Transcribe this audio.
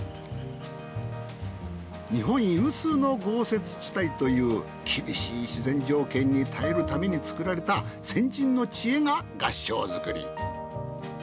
日本有数の豪雪地帯という厳しい自然条件に耐えるために造られた先人の知恵が合掌造り。